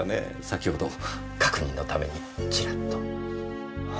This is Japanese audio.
先ほど確認のためにチラッと。